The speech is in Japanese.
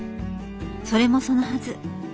それもそのはず。